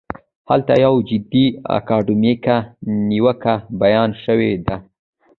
هلته یوه جدي اکاډمیکه نیوکه بیان شوې ده.